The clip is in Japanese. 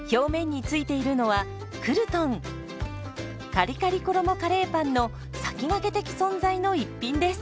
カリカリ衣カレーパンの先駆け的存在の一品です。